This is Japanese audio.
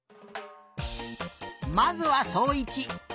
まずはそういち。